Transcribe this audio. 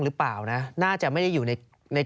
หรือเปล่านะน่าจะไม่ได้อยู่ใน